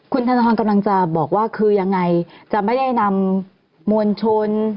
คุณธนทรกำลังจะบอกว่าคือยังไงจะไม่ได้นำมวลชน